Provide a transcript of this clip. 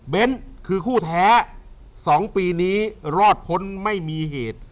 คือคู่แท้๒ปีนี้รอดพ้นไม่มีเหตุ